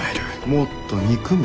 もっと憎め。